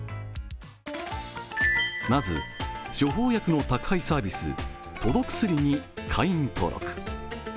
まず、処方薬の宅配サービスとどくすりに会員登録。